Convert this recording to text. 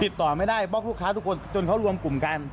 ติดต่อไม่ได้เพราะลูกค้าทุกคนจนเขารวมกลุ่มกัน